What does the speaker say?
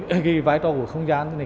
cái vai trò của không gian này